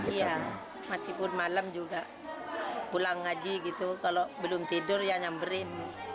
iya meskipun malam juga pulang ngaji gitu kalau belum tidur ya nyamberin